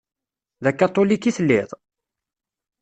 D akatulik i telliḍ?